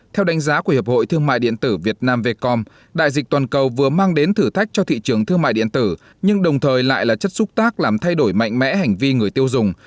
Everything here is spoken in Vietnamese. theo đánh giá của hiệp hội thương mại điện tử việt nam vietcom đại dịch toàn cầu vừa mang đến thử thách cho thị trường thương mại điện tử nhưng đồng thời lại là chất xúc tác làm thay đổi mạnh mẽ hành vi người tiêu dùng